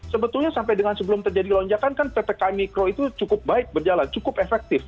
sebetulnya sampai dengan sebelum terjadi lonjakan kan ppkm mikro itu cukup baik berjalan cukup efektif